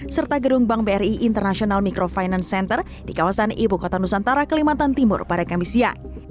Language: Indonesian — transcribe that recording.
serta gedung bank bri international microfinance center di kawasan ibu kota nusantara kelimatan timur barangkabisia